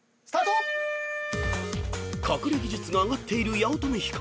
［隠れ技術が上がっている八乙女光］